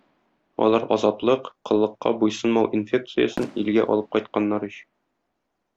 Алар азатлык, коллыкка буйсынмау "инфекциясен" илгә алып кайтканнар ич.